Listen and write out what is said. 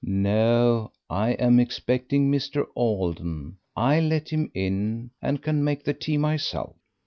"No. I am expecting Mr. Alden. I'll let him in, and can make the tea myself."